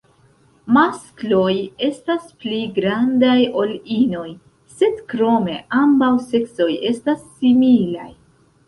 Maskloj estas pli grandaj ol inoj, sed krome ambaŭ seksoj estas similaj.